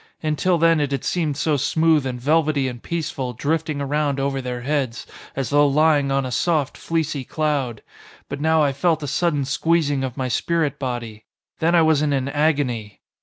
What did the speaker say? Until then it had seemed so smooth and velvety and peaceful drifting around over their heads, as though lying on a soft, fleecy cloud. But now I felt a sudden squeezing of my spirit body. Then I was in an agony.